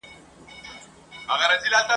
خدای به راولي دا ورځي زه به اورم په وطن کي !.